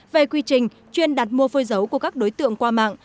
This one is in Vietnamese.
về quy trình chuyên đặt mua phôi dấu của các đối tượng qua mạng